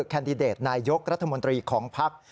แคนดิเดตนายกรัฐมนตรีของพรรค